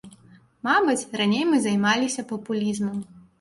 Мабыць, раней мы займаліся папулізмам.